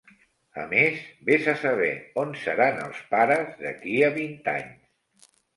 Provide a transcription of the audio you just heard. A més, vés a saber on seran els pares, d'aquí a vint anys!